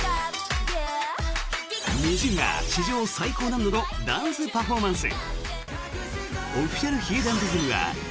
ＮｉｚｉＵが史上最高難度のダンスパフォーマンス。